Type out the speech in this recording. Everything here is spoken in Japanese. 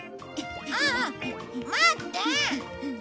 あっ待って！